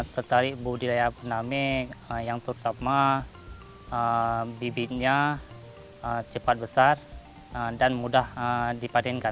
tertarik budidaya tsunami yang terutama bibitnya cepat besar dan mudah dipadenkan